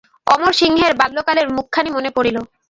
অমরসিংহের বাল্যকালের মুখখানি মনে পড়িল।